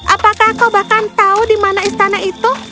apakah kau bahkan tahu di mana istana itu